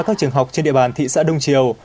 các trường học trên địa bàn thị xã đông triều